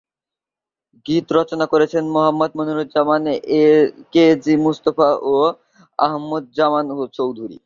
গীত রচনা করেছেন মোহাম্মদ মনিরুজ্জামান, কে জি মুস্তাফা ও আহমদ জামান চৌধুরী।